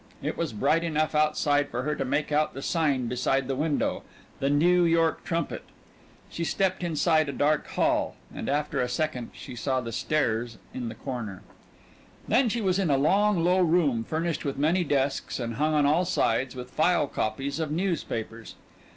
It was bright enough outside for her to make out the sign beside the window the New York Trumpet. She stepped inside a dark hall and after a second saw the stairs in the corner. Then she was in a long, low room furnished with many desks and hung on all sides with file copies of newspapers.